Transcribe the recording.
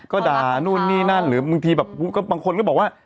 ก็ด่านู่นนี่นั่นหรือบางทีแบบบางคนก็บอกว่า